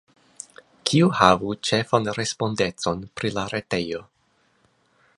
Kiu havu ĉefan respondecon pri la retejo?